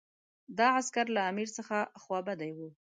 دا عسکر له امیر څخه خوابدي وو.